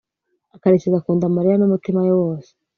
karekezi akunda mariya n'umutima we wose